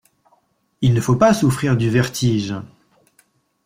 Il ne faut pas souffrir du vertige.